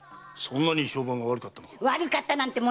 そんなに評判が悪かったのか？